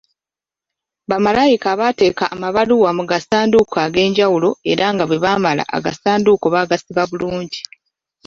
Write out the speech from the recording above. Bamalayika bateeka amabaluwa mu gasanduuko ag’enjawulo era nga bwe bamala agasanduuko bagasiba bulungi.